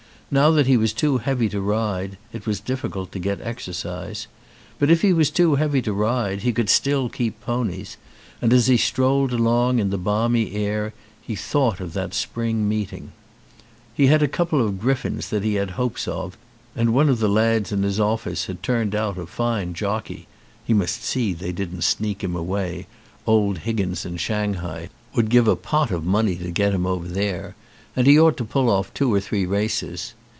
Now that he was too heavy to ride it was difficult to get exercise. But if he was too heavy to ride he could still keep ponies, and as he strolled along in the balmy air he thought of the spring meeting. He had a couple of griffins that he had hopes of and one of the lads in his office had turned out a fine jockey (he must see they didn't sneak him away, old Higgins in Shanghai 195 ON A CHINESE SCREEN would give a pot of money to get him over there) and he ought to pull off two or three races.